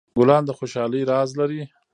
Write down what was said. ګلان د خوشحالۍ راز لري.